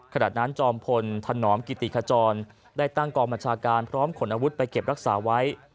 ขณะนั้นจอมพลธนอมกิติขจรได้ตั้งกองบัญชาการพร้อมขนอาวุธไปเก็บรักษาไว้